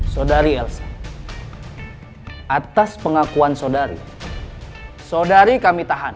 saudari elsa atas pengakuan saudari saudari kami tahan